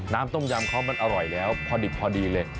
น้ำต้มยำเขามันอร่อยแล้วพอดีเลย